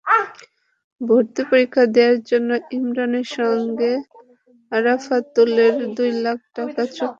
ভর্তি পরীক্ষা দেওয়ার জন্য ইমরানের সঙ্গে আরাফাতুলের দুই লাখ টাকায় চুক্তি হয়।